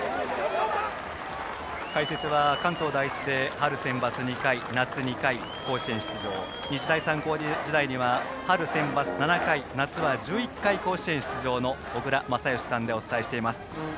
解説は関東第一で春センバツ２回夏２回、甲子園出場日大三高時代には春センバツ７回、夏は１１回甲子園出場の小倉全由さんでお伝えしています。